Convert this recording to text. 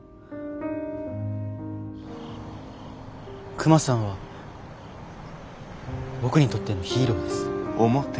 クマさんは僕にとってのヒーローです。